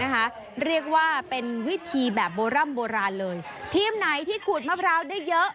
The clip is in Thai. เรียกว่าเป็นวิธีแบบโบร่ำโบราณเลยทีมไหนที่ขูดมะพร้าวได้เยอะ